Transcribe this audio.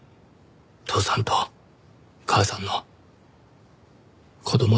父さんと母さんの子供だ。